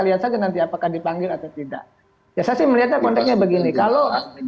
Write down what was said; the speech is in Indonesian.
lihat saja nanti apakah dipanggil atau tidak ya saya sih melihatnya konteksnya begini kalau